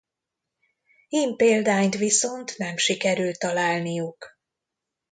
Hím példányt viszont nem sikerült találniuk.